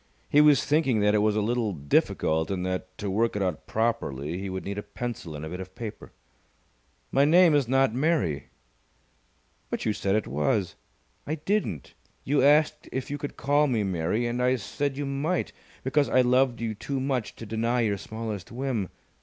He was thinking that it was a little difficult and that, to work it out properly, he would need a pencil and a bit of paper. "My name is not Mary!" "But you said it was." "I didn't. You asked if you could call me Mary, and I said you might, because I loved you too much to deny your smallest whim.